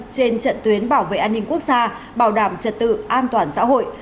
trên trận tuyến bảo vệ an ninh quốc gia bảo đảm trật tự an toàn xã hội